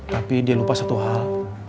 tapi dia lupa satu hal